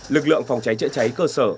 lực lượng phòng cháy chữa cháy cơ sở